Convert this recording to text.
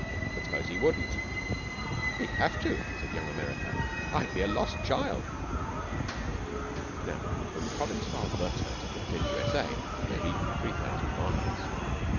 'But s'pose he wouldn't?' 'He'd have to,' said Young America. 'I'd be a lost child.' Now, from the province of Alberta to Brooklyn, U.S.A., may be three thousand miles.